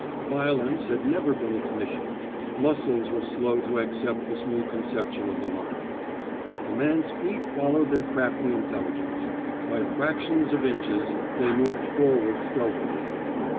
Violence had never been its mission; muscles were slow to accept this new conception of the mind. But the man's feet followed their crafty intelligence; by fractions of inches they moved forward stealthily.